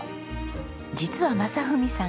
実は正文さん